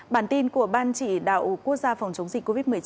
bản tin của ban chỉ đạo quốc gia phòng chống dịch covid một mươi chín